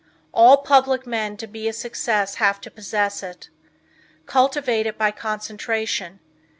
All public men to be a success have to possess it. Cultivate it by concentration.